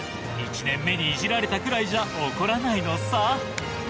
１年目にイジられたくらいじゃ怒らないのさ。